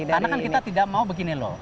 karena kan kita tidak mau begini loh